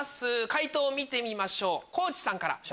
解答見てみましょう地さんから。